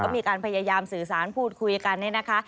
มีการพยายามสื่อสารพูดคุยกันเนี่ยนะคะ